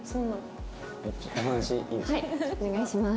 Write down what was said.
はいお願いします。